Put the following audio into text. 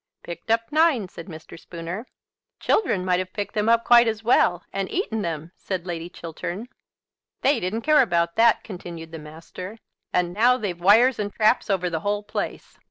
"Picked up nine," said Mr. Spooner. "Children might have picked them up quite as well, and eaten them," said Lady Chiltern. "They didn't care about that," continued the Master. "And now they've wires and traps over the whole place.